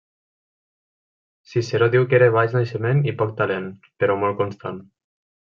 Ciceró diu que era baix naixement i poc talent, però molt constant.